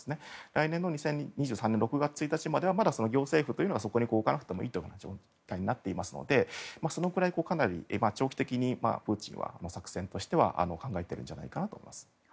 来年の２０２３年６月１日まではまだ行政府はそこに置かなくてもいいとなっていますのでそのくらい、長期的にプーチンは作戦としては考えているんじゃないかと思います。